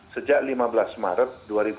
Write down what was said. sejak lima belas maret dua ribu dua puluh